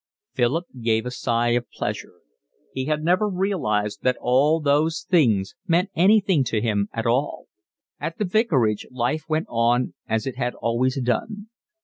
Philip gave a sigh of pleasure; he had never realised that all those things meant anything to him at all. At the vicarage life went on as it had always done.